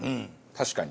確かに。